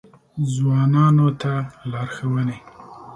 ځوانانو ته لارښوونې: